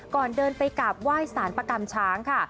ก่อนเดินไปกราบไหว้สารประกรรมช้างค่ะ